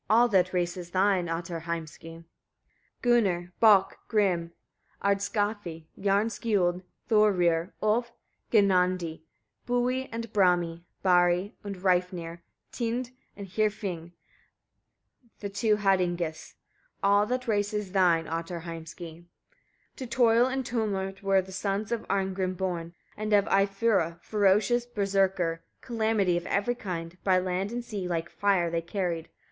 All that race is thine, Ottar Heimski! 23. Gunnar, Balk, Grim, Ardskafi, Jarnskiold, Thorir, Ulf, Ginandi, Bui and Brami, Barri and Reifnir, Tind and Hyrfing, the two Haddingis. All that race is thine, Ottar Heimski! 24. To toil and tumult were the sons of Arngrim born, and of Eyfura: ferocious berserkir, calamity of every kind, by land and sea, like fire they carried.